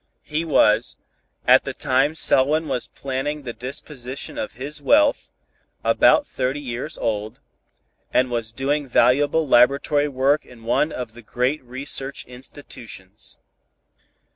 He was, at the time Selwyn was planning the disposition of his wealth, about thirty years old, and was doing valuable laboratory work in one of the great research institutions.